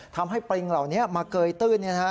ทำให้ปลิงเหล่านี้มาเกยตื้อน